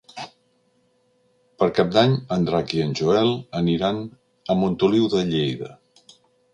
Per Cap d'Any en Drac i en Joel aniran a Montoliu de Lleida.